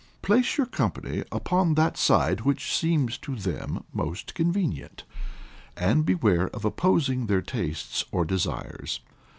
Place your company upon that side which seems to them most convenient, and beware of opposing their tastes or desires.